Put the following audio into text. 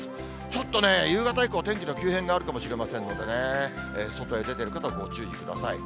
ちょっとね、夕方以降、天気の急変があるかもしれませんのでね、外へ出てる方、ご注意ください。